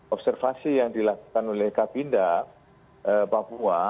observasi yang dilakukan oleh kabinda papua